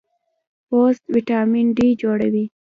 پوست وټامین ډي جوړوي.